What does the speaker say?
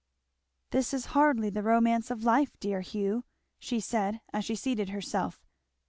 "This is hardly the romance of life, dear Hugh," she said as she seated herself.